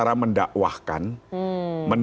saya sebenarnya aku gemar